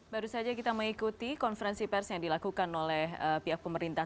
baru saja kita mengikuti konferensi pers yang dilakukan oleh pihak pemerintah